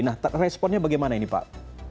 nah responnya bagaimana ini pak